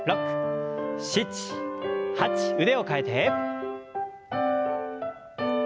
腕を替えて。